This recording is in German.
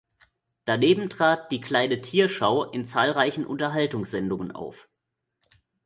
Daneben trat "Die kleine Tierschau" in zahlreichen Unterhaltungssendungen auf.